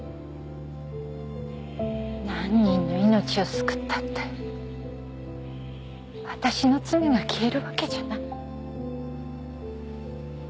何人の命を救ったって私の罪が消えるわけじゃない。